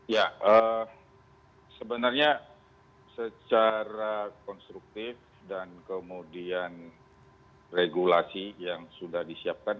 ya sebenarnya secara konstruktif dan kemudian regulasi yang sudah disiapkan